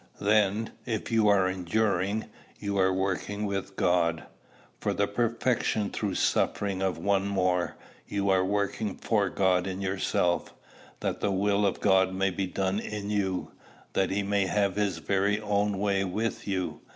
Then, if you are enduring, you are working with God, for the perfection through suffering of one more: you are working for God in yourself, that the will of God may be done in you; that he may have his very own way with you.